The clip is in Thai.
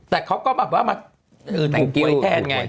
แต่เขาก็มาทำกิวทุกขวนแทนไง